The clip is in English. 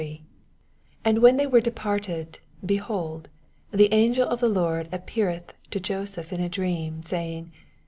18 And when they were departed, behold, the angel of the Lord appear eth to Joseph in a dream, seeing.